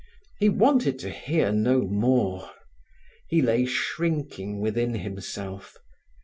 He wanted to hear no more. He lay shrinking within himself.